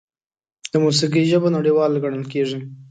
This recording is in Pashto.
د موسیقۍ ژبه نړیواله ګڼل کېږي.